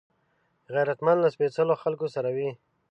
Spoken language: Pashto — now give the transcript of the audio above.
غیرتمند له سپېڅلو خلکو سره وي